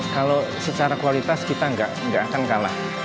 kalau secara kualitas kita nggak akan kalah